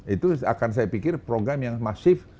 itu akan saya pikir program yang masif